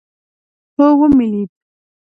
هو ومې لېد.